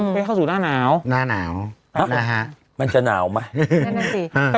ไปเข้าสู่หน้าหนาวมันจะหนาวไหม